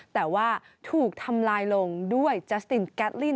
แต่ว่าถูกทำลายลงด้วยจัสตินแก๊ลิน